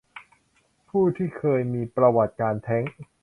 ผู้ที่เคยมีประวัติการแท้ง